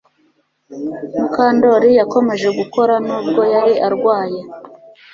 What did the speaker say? Mukandoli yakomeje gukora nubwo yari arwaye